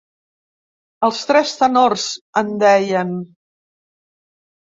Els tres tenors, en deien.